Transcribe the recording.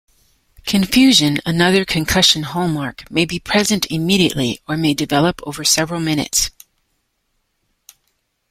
Confusion, another concussion hallmark, may be present immediately or may develop over several minutes.